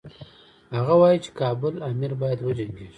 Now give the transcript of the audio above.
هغه وايي چې کابل امیر باید وجنګیږي.